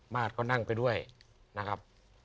สก็นั่งไปด้วยนะครับ